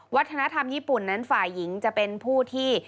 วัฒนธรรมญี่ปุ่นนั้นฝ่ายหญิงจะเป็นผู้ที่